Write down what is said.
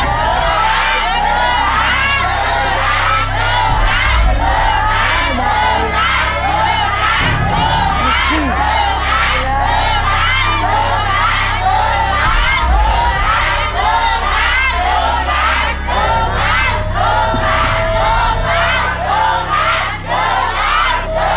สุภาสุภาสุภาสุภา